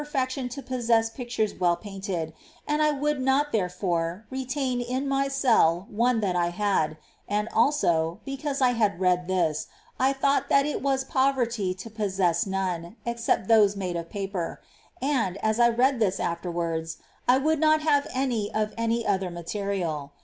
fection to possess pictures Vvell painted, — and I would not, therefore, retain in my cell one that I had ; and also, before I had read this, I thought that it was poverty to possess none, except those made of paper, — and, as I read this afterwards, I would not have any of any other material.